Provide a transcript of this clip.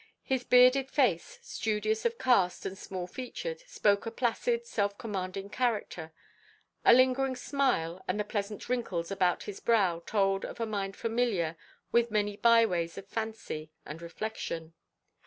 His bearded face, studious of cast and small featured, spoke a placid, self commanding character; a lingering smile, and the pleasant wrinkles about his brow, told of a mind familiar with many by ways of fancy and reflection.